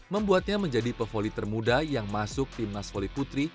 membuatnya menjadi pevoli termuda yang masuk tim nasvoli putri